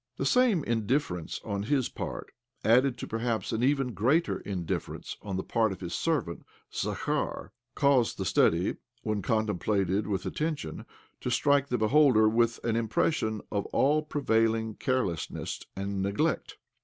The same indifference on his part, added to, perhaps, an even greater indifference on the part of his servant, Zakhar, caused the study, when contemplated with attention, to strike the beholder with an impression of all pre vailing carelessness and neglect.